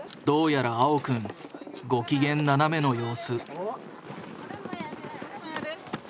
どうやら青くんご機嫌斜めの様子。